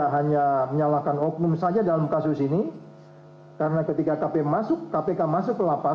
hanya menyalahkan hukum saja dalam kasus ini karena ketika kpk masuk ke lapas